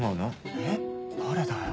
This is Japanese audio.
えっ誰だよ。